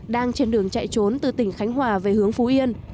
đang trên đường chạy trốn từ tỉnh khánh hòa về hướng phú yên